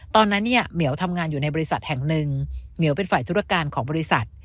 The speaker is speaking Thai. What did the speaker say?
ตอนนั้นเนี่ยเหมียวทำงานอยู่ในบริษัทแห่งหนึ่งเหมียวเป็นฝ่ายธุรการของบริษัท